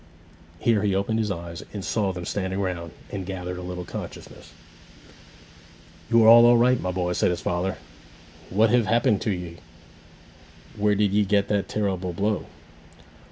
Here he opened his eyes, and saw them standing round, and gathered a little consciousness. 'You are all right, my boy!' said his father. 'What hev happened to ye? Where did ye get that terrible blow?'